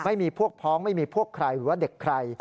ไม่มีพวกพ้องไม่มีพวกใครหรือว่าเด็กใคร